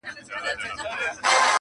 تر نگین لاندي پراته درته لوی غرونه٫